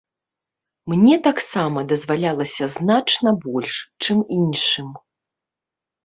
Мне таксама дазвалялася значна больш, чым іншым.